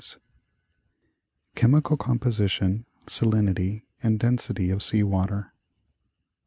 Chemical Composition, Salinity and Density of Sea Water.